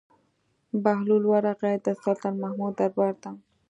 بهلول ورغى د سلطان محمود دربار ته.